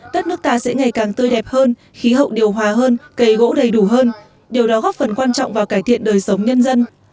đất nước ta sẽ ngày càng tươi đẹp hơn khí hậu điều hòa hơn cây gỗ đầy đủ hơn điều đó góp phần quan trọng vào cải thiện đời sống nhân dân